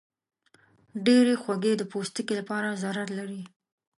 ډېرې خوږې د پوستکي لپاره ضرر لري.